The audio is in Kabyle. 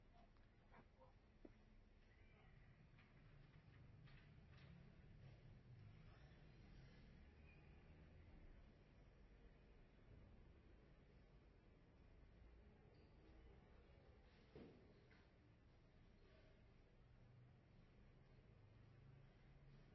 Ad am-d-yefk Yuc ṣṣber.